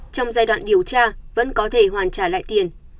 trong giai đoạn điều tra vẫn có thể hoàn trả lại tiền